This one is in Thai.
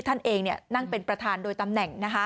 ท่านเองนั่งเป็นประธานโดยตำแหน่ง